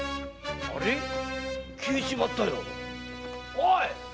おい！